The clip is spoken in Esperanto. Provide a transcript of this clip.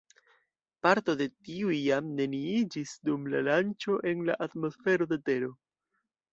Parto de tiuj jam neniiĝis dum la lanĉo en la atmosfero de Tero.